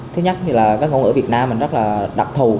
thứ nhất thì là các ngôn ngữ ở việt nam rất là đặc thù